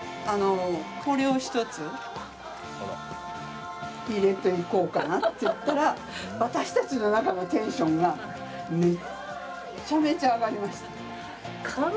これを１つ入れていこうかなって言ったら私たちの中のテンションがめっちゃめちゃ上がりました。